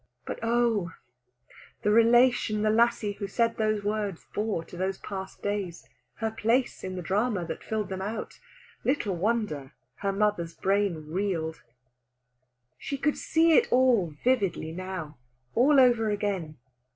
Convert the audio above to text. But oh, the relation the lassie who said those words bore to those past days, her place in the drama that filled them out! Little wonder her mother's brain reeled. She could see it all vividly now, all over again.